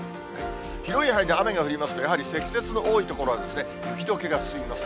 広い範囲で雨が降りますと、やはり積雪の多い所は雪どけが進みます。